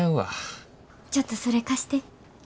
ちょっとそれ貸して。